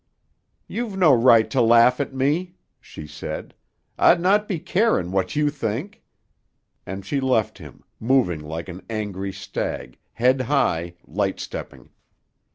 "You've no right to laugh at me," she said. "I'd not be carin' what you think." And she left him, moving like an angry stag, head high, light stepping.